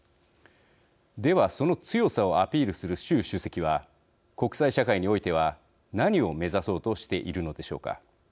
では、その強さをアピールする習主席は、国際社会においては何を目指そうとしているのでしょうか。